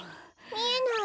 みえない。